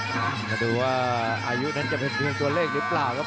มาดูว่าอายุนั้นจะเป็นเพียงตัวเลขหรือเปล่าครับ